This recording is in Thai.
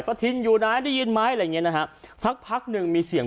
ทินอยู่ไหนได้ยินไหมอะไรอย่างเงี้นะฮะสักพักหนึ่งมีเสียง